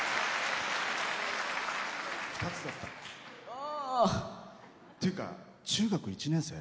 あー！っていうか中学１年生？